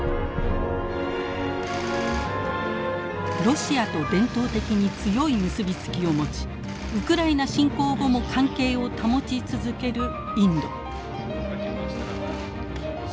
ロシアと伝統的に強い結び付きを持ちウクライナ侵攻後も関係を保ち続けるインド。